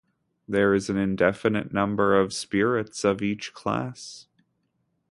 There is an indefinite number of spirits of each class.